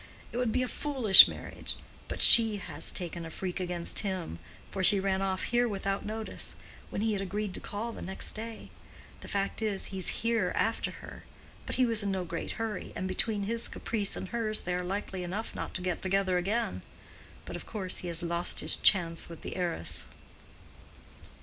It would be a foolish marriage. But she has taken a freak against him, for she ran off here without notice, when he had agreed to call the next day. The fact is, he's here after her; but he was in no great hurry, and between his caprice and hers they are likely enough not to get together again. But of course he has lost his chance with the heiress."